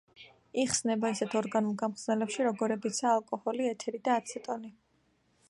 იხსნება ისეთ ორგანულ გამხსნელებში, როგორებიცაა ალკოჰოლი, ეთერი და აცეტონი.